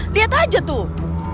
lihat aja tuh